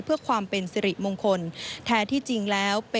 เพื่อความเป็นสิริมงคล